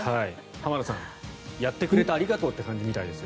浜田さん、やってくれてありがとうって感じみたいです。